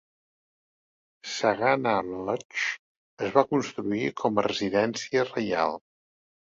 Sagana Lodge es va construir com a residència reial.